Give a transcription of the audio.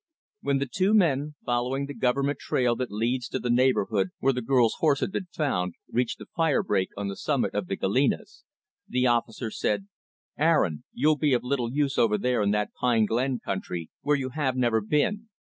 When the two men, following the Government trail that leads to the neighborhood where the girl's horse had been found, reached the fire break on the summit of the Galenas, the officer said, "Aaron, you'll be of little use over there in that Pine Glen country, where you have never been."